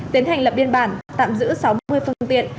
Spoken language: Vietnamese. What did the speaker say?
tiến hành lập biên bản tạm giữ sáu mươi phương tiện